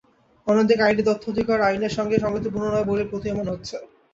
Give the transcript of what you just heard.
অন্যদিকে আইনটি তথ্য অধিকার আইনের সঙ্গে সংগতিপূর্ণ নয় বলেই প্রতীয়মান হচ্ছে।